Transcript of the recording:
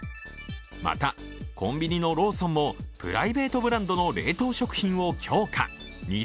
また、コンビニのローソンもプライベートブランドの冷凍食品を強化